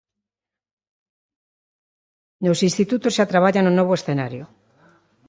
Nos institutos xa traballan no novo escenario.